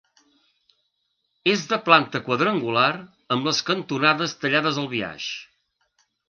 És de planta quadrangular amb les cantonades tallades al biaix.